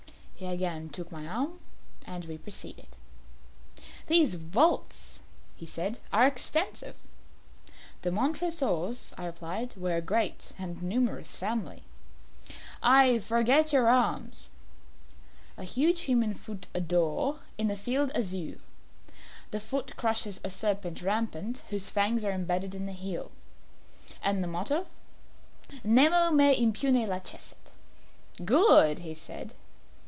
He again took my arm, and we proceeded. "These vaults," he said, "are extensive." "The Montresors," I replied, "were a great and numerous family." "I forget your arms." "A huge human foot d'or, in a field azure; the foot crushes a serpent rampant whose fangs are imbedded in the heel." "And the motto?" "Nemo me impune lacessit." "Good!" he said.